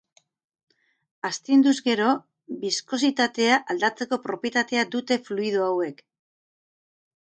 Astinduz gero biskositatea aldatzeko propietatea dute fluido hauek.